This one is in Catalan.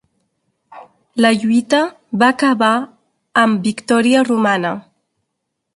La lluita va acabar amb victòria romana.